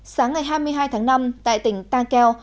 sáng ngày hai mươi hai tháng năm tại tỉnh tan kheo